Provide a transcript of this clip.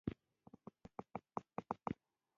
په افغانستان کې د کندهار ولایت شتون لري.